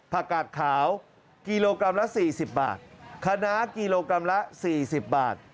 กาดขาวกิโลกรัมละ๔๐บาทคณะกิโลกรัมละ๔๐บาท